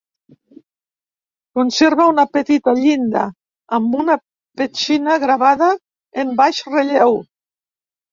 Conserva una petita llinda amb una petxina gravada en baix relleu.